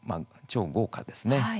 超豪華ですね。